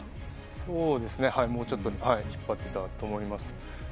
そうですね、もうちょっと引っ張っていたと思います。